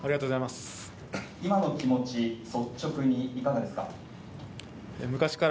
今のお気持ち率直にいかがですか？